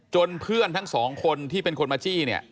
จนเพื่อนทั้งสองคนที่เป็นคนมาจี้